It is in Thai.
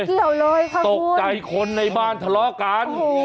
ไม่เกี่ยวเลยข้างุ่นตกใจคนในบ้านทะเลากัน